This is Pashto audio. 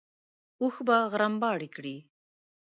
اوښ به غرمباړې کړې.